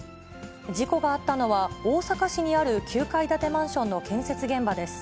事故があったのは、大阪市にある９階建てマンションの建設現場です。